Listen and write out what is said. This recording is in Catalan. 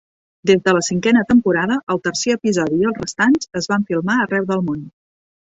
Des de la cinquena temporada, el tercer episodi i els restants es van filmar arreu el món.